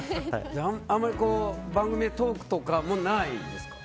あんまり番組トークとかもないですか？